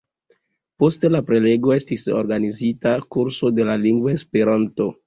Post la prelego estis organizita kurso de la lingvo Esperanto.